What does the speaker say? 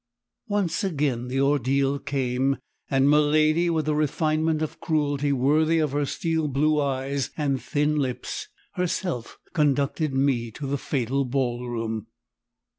Once again the ordeal came and miladi, with a refinement of cruelty worthy of her steel blue eyes and thin lips, herself conducted me to the fatal ball room.